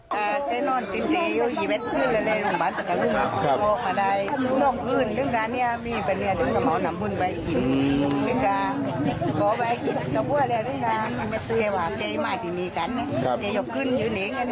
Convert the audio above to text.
ก็สาเหตุที่มีมากมันมีนี้กันไหมกี่หยกขึ้นอะไรมีอยู่